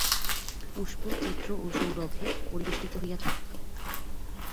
পুষ্প, চিত্র ও সৌরভে পরিবেষ্টিত হইয়া থাক।